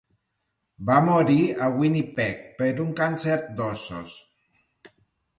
Va morir a Winnipeg per un càncer d'ossos.